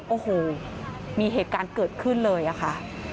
โอ้โหมีเหตุการณ์เกิดขึ้นเลยอะค่ะ